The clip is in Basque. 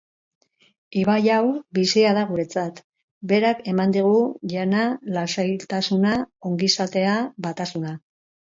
Ibai hau bizia da guretzat; berak eman digu jana, lasaitasuna, ongizatea, batasuna.